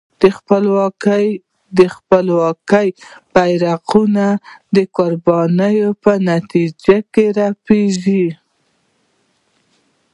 د خپلواکۍ بېرغونه د قربانۍ په نتیجه کې رپېږي.